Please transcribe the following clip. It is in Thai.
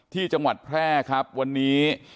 ที่จังหวัดแพร่ครับวันนี้